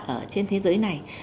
ở trên thế giới này